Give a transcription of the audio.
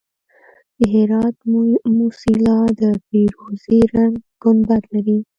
د هرات موسیلا د فیروزي رنګ ګنبد لري